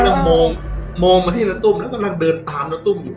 ยังมองมองมาที่นาตุ้มแล้วกำลังเดินตามน้าตุ้มอยู่